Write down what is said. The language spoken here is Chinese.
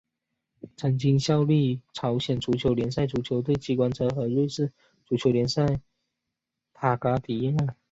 曾经效力朝鲜足球联赛足球队机关车和瑞士足球挑战联赛康戈迪亚。